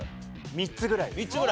３つぐらい？